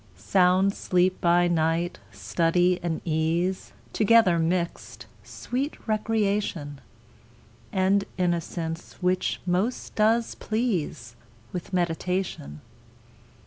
Sound sleep by night; study and ease Together mixed; sweet recreation, And innocence, which most does please With meditation.